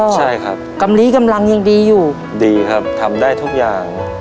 ใช่ครับกำลีกำลังยังดีอยู่ดีครับทำได้ทุกอย่าง